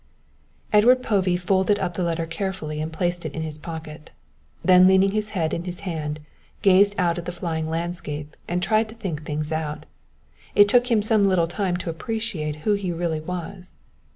_" Edward Povey folded up the letter carefully and placed it in his pocket. Then, leaning his head in his hand, gazed out at the flying landscape and tried to think things out. It took him some little time to appreciate who he really was.